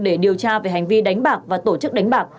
để điều tra về hành vi đánh bạc và tổ chức đánh bạc